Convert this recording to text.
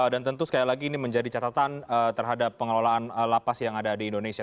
dan tentu sekali lagi ini menjadi catatan terhadap pengelolaan lapas yang ada di indonesia